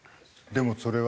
でもそれはさ